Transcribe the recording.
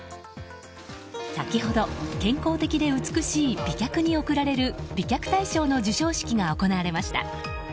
先ほど、健康的で美しい美脚に贈られる美脚大賞の授賞式が行われました。